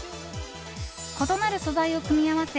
異なる素材を組み合わせ